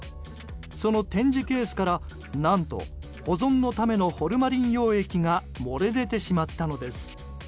その展示ケースから何と保存のためのホルマリン溶液が漏れ出てしまったのです。